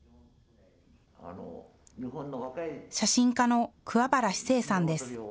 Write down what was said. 写真家の桑原史成さんです。